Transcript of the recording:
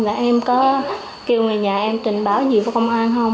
là em có kêu người nhà em trình báo gì cho công an không